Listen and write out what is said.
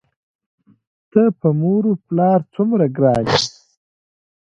ته په مور و پلار څومره ګران یې؟!